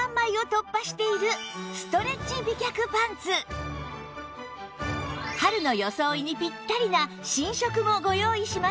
今日はこの番組で春の装いにピッタリな新色もご用意しました